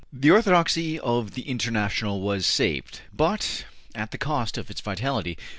The orthodoxy of the International was saved, but at the cost of its vitality.